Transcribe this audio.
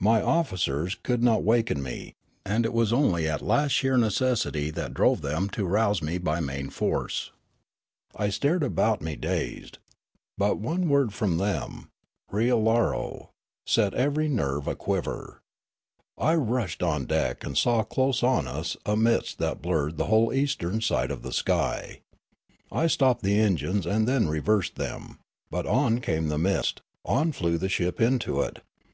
My officers could not waken me, and it was only at last sheer necessity that drove them to rouse me by main force. I stared about me dazed ; but one word from them — "Riallaro" — set every nerve a quiver. I rushed on deck and saw close on us a mist that blurred the whole eastern side of the sky. I stopped the engines and then reversed them. But on came the mist ; on flew the ship into it.